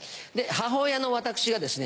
母親の私がですね